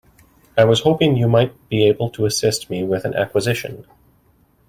I was hoping you might be able to assist me with an acquisition.